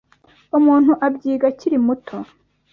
umuntu abyiga akiri muto,